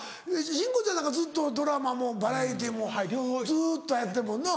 慎吾ちゃんなんかずっとドラマもバラエティーもずっとやってるもんな。